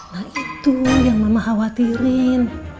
nah itu yang mama khawatirin